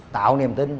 tạo niềm tin